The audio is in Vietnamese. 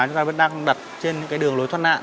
chúng ta vẫn đang đặt trên những cái đường lối thoát nạn